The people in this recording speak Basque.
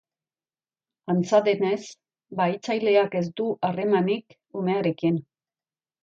Antza denez, bahitzaileak ez du harremanik umearekin.